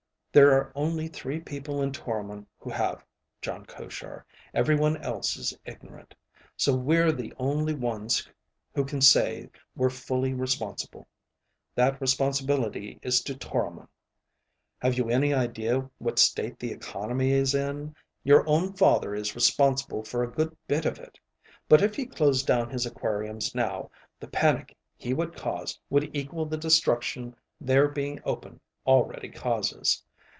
There are only three people in Toromon who have, Jon Koshar. Everyone else is ignorant. So we're the only ones who can say we're fully responsible. That responsibility is to Toromon. Have you any idea what state the economy is in? Your own father is responsible for a good bit of it; but if he closed down his aquariums now, the panic he would cause would equal the destruction their being open already causes.